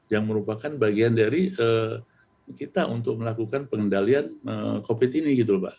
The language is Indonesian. yang merupakan bagian dari kita untuk melakukan pengendalian covid ini gitu loh mbak